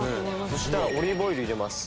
そしたらオリーブオイル入れます。